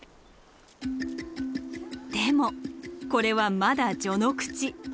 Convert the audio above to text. でもこれはまだ序の口。